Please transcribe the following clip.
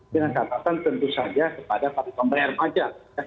dengan catatan tentu saja kepada pemerintah pajak